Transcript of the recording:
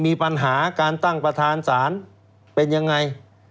มีปัญหาการตั้งประธานศาลเป็นยังไง